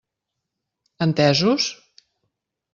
Entesos?